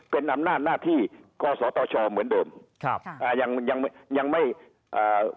เป็นนำหน้าหน้าที่ข้อสอต่อชอเหมือนเดิมครับอ่ายังยังยังไม่อ่า